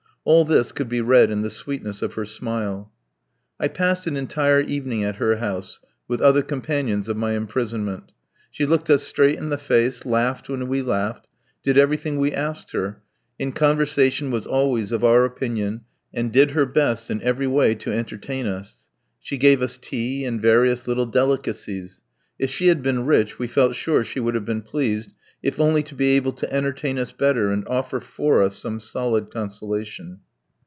All this could be read in the sweetness of her smile. I passed an entire evening at her house, with other companions of my imprisonment. She looked us straight in the face, laughed when we laughed, did everything we asked her, in conversation was always of our opinion, and did her best in every way to entertain us. She gave us tea and various little delicacies. If she had been rich we felt sure she would have been pleased, if only to be able to entertain us better and offer for us some solid consolation.